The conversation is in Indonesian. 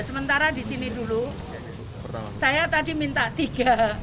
sementara di sini dulu saya tadi minta tiga